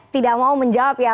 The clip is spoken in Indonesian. tidak mau menjawab ya